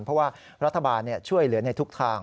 เพราะว่ารัฐบาลช่วยเหลือในทุกทาง